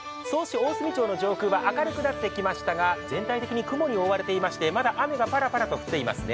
大隅町は明るくなってきましたが全体的に雲に覆われていて、まだ雨がパラパラと降っていますね。